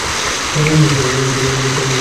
উমেশ কহিল, চুরি করিব কেন?